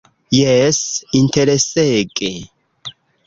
Jes, interesege.